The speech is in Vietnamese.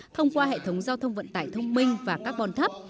thông qua hệ thống giao thông vận tải thông minh và các bòn thấp